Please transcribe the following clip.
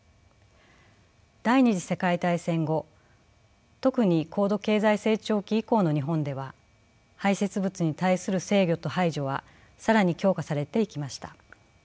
第２次世界大戦後特に高度経済成長期以降の日本では排泄物に対する制御と排除は更に強化されていきました。